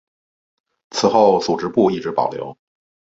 此后组织部一直保留。